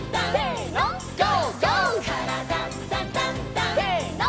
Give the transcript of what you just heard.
「からだダンダンダン」せの！